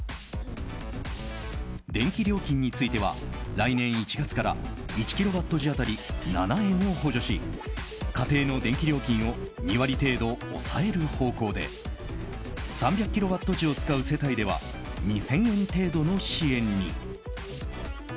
電気料金については来年１月から１キロワット時当たり７円を補助し家庭の電気料金を２割程度、抑える方向で３００キロワット時を使う世帯では２０００円程度の支援に。